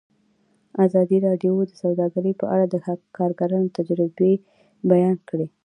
ازادي راډیو د سوداګري په اړه د کارګرانو تجربې بیان کړي.